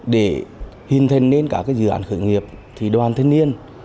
để hình thành nên cả cái dự án khởi nghiệp thì đoàn thanh niên